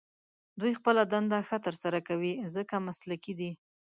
دوی خپله دنده ښه تر سره کوي، ځکه مسلکي دي.